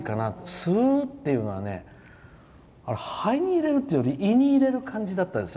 吸うっていうのはね、あれ肺に入れるっていうより胃に入れる感じだったんですよ。